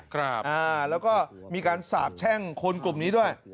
ครับอ่าแล้วก็มีการสาบแช่งคนกลุ่มนี้ด้วย